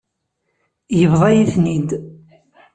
Yebḍa-yi-ten-id.